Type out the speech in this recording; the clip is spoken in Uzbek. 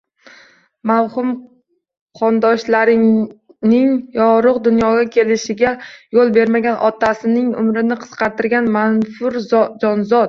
Mavhum qondoshlariningyorug` dunyoga kelishiga yo`l bermagan, otasining umrini qisqartirgan manfur jonzot